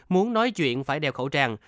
muốn nói chuyện phải đeo khẩu trang